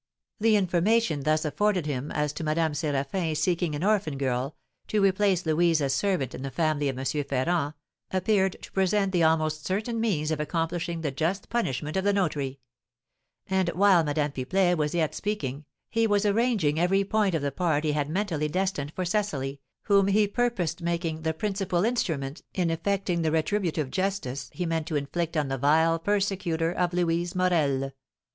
The information thus afforded him as to Madame Séraphin seeking an orphan girl, to replace Louise as servant in the family of M. Ferrand, appeared to present the almost certain means of accomplishing the just punishment of the notary; and, while Madame Pipelet was yet speaking, he was arranging every point of the part he had mentally destined for Cecily, whom he purposed making the principal instrument in effecting the retributive justice he meant to inflict on the vile persecutor of Louise Morel.